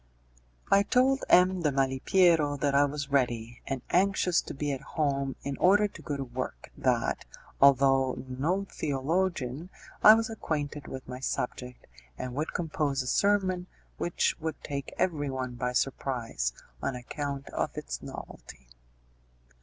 I told M. de Malipiero that I was ready, and anxious to be at home in order to go to work; that, although no theologian, I was acquainted with my subject, and would compose a sermon which would take everyone by surprise on account of its novelty.